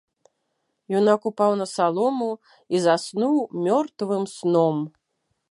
Юнак упаў на салому і заснуў мёртвым сном.